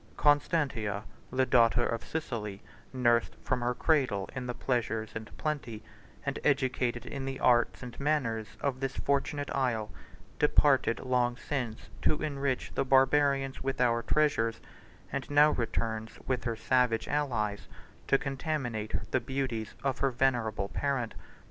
"Constantia, the daughter of Sicily, nursed from her cradle in the pleasures and plenty, and educated in the arts and manners, of this fortunate isle, departed long since to enrich the Barbarians with our treasures, and now returns, with her savage allies, to contaminate the beauties of her venerable parent.